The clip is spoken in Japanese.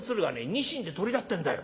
ニシンでトリだってんだよ。